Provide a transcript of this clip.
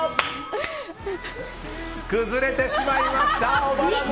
崩れてしまいました！